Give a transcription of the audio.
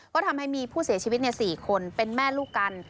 ก็ทำให้มีผู้เสียชีวิต๔คนเป็นแม่ลูกกัน